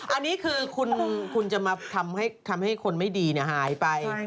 อันนี้คือคุณจะมาทำให้คนไม่ดีหายไป